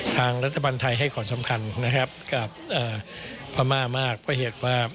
ทางรัฐบาลไทยให้ขอสำคัญนะครับ